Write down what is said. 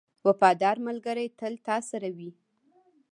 • وفادار ملګری تل تا سره وي.